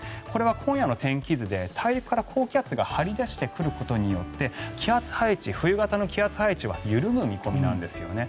これは今夜の天気図で大陸から高気圧が張り出してくることによって冬型の気圧配置は緩む見込みなんです。